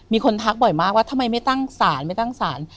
ทักบ่อยมากว่าทำไมไม่ตั้งศาลไม่ตั้งศาล